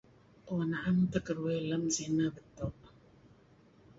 uh na'em teh keduih lem sineh beto'.